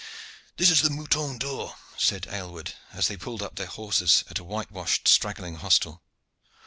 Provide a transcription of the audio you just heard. "This is the 'Mouton d'Or,'" said Aylward, as they pulled up their horses at a whitewashed straggling hostel.